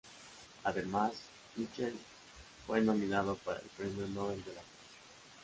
Además, Mitchell fue nominado para el Premio Nobel de la Paz.